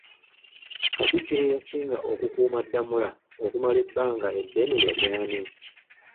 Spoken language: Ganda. Katikkiro eyasinga okukuuma Ddamula okumala ebbanga eddene yali ani?